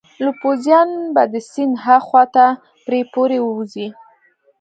او پوځیان به د سیند هاخوا ته پرې پورې ووزي.